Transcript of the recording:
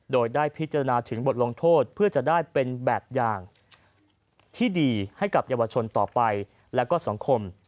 โดยได้พิจารณาถึงบทลงโทษเพื่อจะได้เป็นแบบอย่างที่ดีให้กับเยาวชนต่อไปและก็สังคม